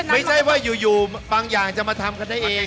ไม่ใช่ว่าอยู่บางอย่างจะมาทำกันได้เอง